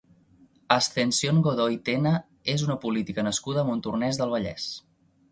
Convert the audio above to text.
Ascensión Godoy Tena és una política nascuda a Montornès del Vallès.